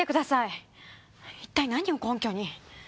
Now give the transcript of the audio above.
一体何を根拠に。